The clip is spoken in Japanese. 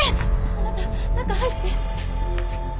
あなた中入って。